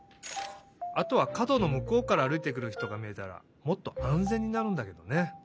あとはかどのむこうからあるいてくるひとがみえたらもっとあんぜんになるんだけどね。